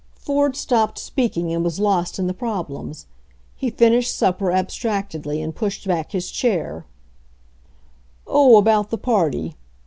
Ford stopped speaking and was lost in the prob lems. He finished supper abstractedly and pushed back his chain "Oh, about the party.